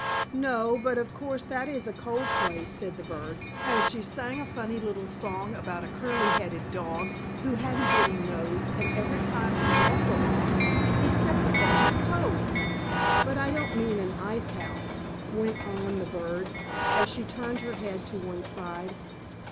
"No, but of course that is a cold place," said the bird, as she sang a funny little song about a curly headed dog who hadn't any nose and every time he walked along he stepped upon his toes. "But I don't mean an icehouse," went on the bird, as she turned her head to one side.